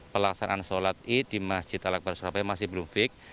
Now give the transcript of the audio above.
pelaksanaan sholat id di masjid al akbar surabaya masih belum fix